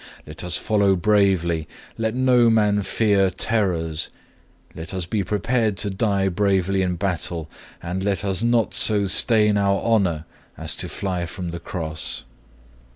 Let us follow bravely, let no man fear terrors; let us be prepared to die bravely in battle, and let us not so stain our honour,(6) as to fly from the cross.